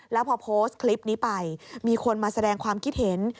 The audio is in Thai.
แล้วพอโพสต์คลิปนี้ไปมีคนมาแสดงความคิดเห็น